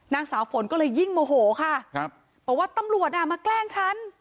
นางสาวฝนก็เลยยิ่งโมโหค่ะครับบอกว่าตำรวจอ่ะมาแกล้งฉัน